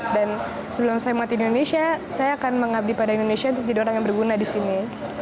dan sebelum saya mati di indonesia saya akan mengabdi pada indonesia untuk jadi orang yang berguna di sini